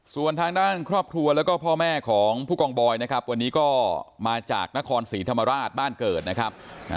ส่วนทางด้านครอบครัวแล้วก็พ่อแม่ของผู้กองบอยนะครับวันนี้ก็มาจากนครศรีธรรมราชบ้านเกิดนะครับ